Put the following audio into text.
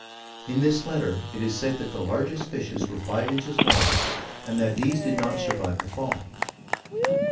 In this letter it is said that the largest fishes were five inches long, and that these did not survive the fall.